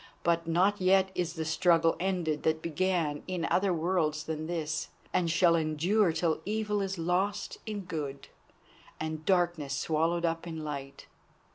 But not yet is the struggle ended that began in other worlds than this, and shall endure till evil is lost in good, and darkness swallowed up in light.